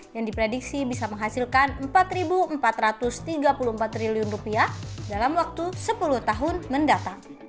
yang diprediksi bisa menghasilkan rp empat empat ratus tiga puluh empat triliun dalam waktu sepuluh tahun mendatang